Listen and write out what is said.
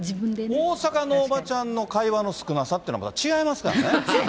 大阪のおばちゃんの会話の少なさっていうのはまた違いますからね。